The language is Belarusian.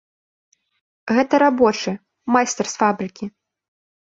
Гэта рабочы, майстар з фабрыкі.